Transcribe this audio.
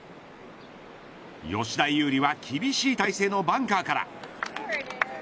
吉田優利は厳しい体制のバンカーから。